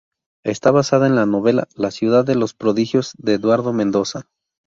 Está basada en la novela La ciudad de los prodigios de Eduardo Mendoza.